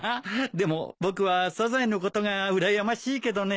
でも僕はサザエのことがうらやましいけどね。